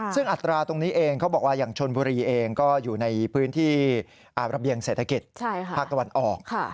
ซึ่งอัตราตรงนี้เองเขาบอกว่าอย่างชนบุรีเองก็อยู่ในพื้นที่ระเบียงเศรษฐกิจภาคตะวันออก